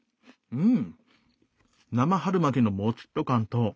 うん。